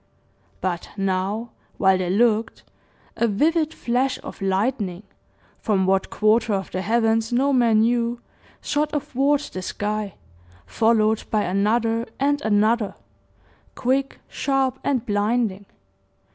But now, while they looked, a vivid flash of lightning, from what quarter of the heavens no man knew, shot athwart the sky, followed by another and another, quick, sharp, and blinding.